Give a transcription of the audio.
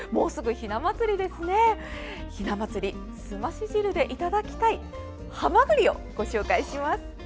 ひな祭りすまし汁でいただきたいハマグリをご紹介します。